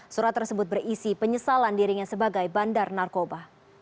surat tersebut berisi penyesalan dirinya sebagai bandar narkoba